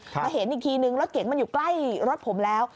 มาเห็นอีกทีนึงรถเก๋งมันอยู่ใกล้รถผมแล้ว